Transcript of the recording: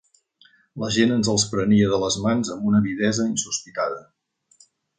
La gent ens els prenia de les mans amb una avidesa insospitada.